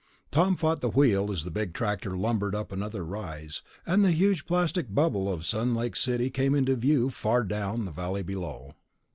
Tom fought the wheel as the big tractor lumbered up another rise, and the huge plastic bubble of Sun Lake City came into view far down the valley below.